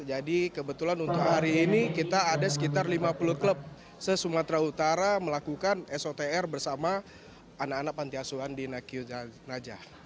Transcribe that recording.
jadi kebetulan untuk hari ini kita ada sekitar lima puluh klub se sumatera utara melakukan sotr bersama anak anak pantiasuhan di nakyu najah